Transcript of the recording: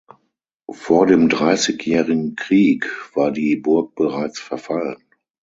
Vor dem Dreißigjährigen Krieg war die Burg bereits verfallen.